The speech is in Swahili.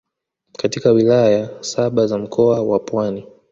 katika Wilaya saba za Mkoa wa Pwani